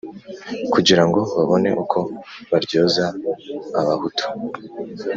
kugira ngo babone uko baryoza abahutu,